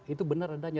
itu benar adanya